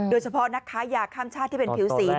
โดยเฉพาะนักค้ายาข้ามชาติที่เป็นผิวสี